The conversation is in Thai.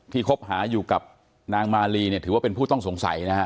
คบหาอยู่กับนางมาลีเนี่ยถือว่าเป็นผู้ต้องสงสัยนะฮะ